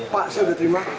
pak saya sudah terima